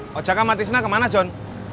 hojak kamu mati di sana kemana john